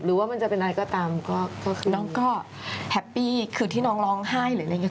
ว่ามันจะเป็นอะไรก็ตามก็คือน้องก็แฮปปี้คือที่น้องร้องไห้หรืออะไรอย่างนี้